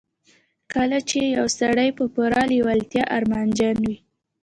کله چې يو سړی په پوره لېوالتیا ارمانجن وي.